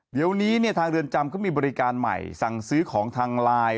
เดี๋ยวนี้เนี่ยทางเรือนจำเขามีบริการใหม่สั่งซื้อของทางไลน์